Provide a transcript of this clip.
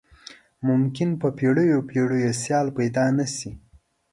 ممکن په پیړیو پیړیو یې سیال پيدا نه شي.